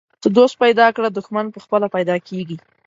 ته دوست پیدا کړه، دښمن پخپله پیدا کیږي.